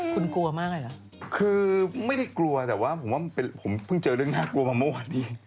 คุณกลัวมากเลยเหรอคือไม่ได้กลัวแต่ว่าผมว่าผมเพิ่งเจอเรื่องน่ากลัวมาเมื่อวานนี้